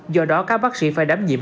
do đó các bác sĩ phải đám nhiệm